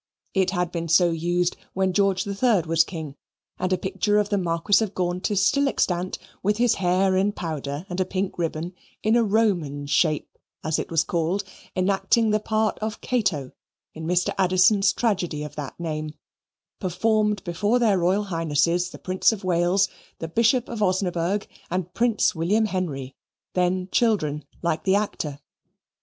It had been so used when George III was king; and a picture of the Marquis of Gaunt is still extant, with his hair in powder and a pink ribbon, in a Roman shape, as it was called, enacting the part of Cato in Mr. Addison's tragedy of that name, performed before their Royal Highnesses the Prince of Wales, the Bishop of Osnaburgh, and Prince William Henry, then children like the actor.